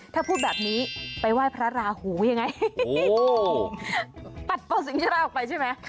ถ้าพูดแบบนี้ไปไหว้พระราหูยังไงปัดเป่าสิงชราออกไปใช่ไหม